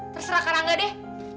terserah karang gak deh